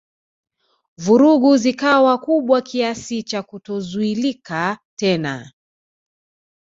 Vurugu zikawa kubwa kiasi cha kutozuilika tena